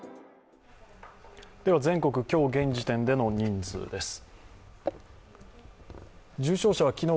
全国、今日、現時点での人数です。